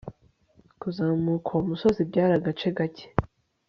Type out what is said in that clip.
Kuzamuka uwo musozi byari agace kake